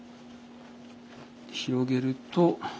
広げると。